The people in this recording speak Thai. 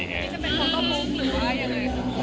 ถือเป็นเหล่าต้องมุ่งหรือว่าอย่างไรครับ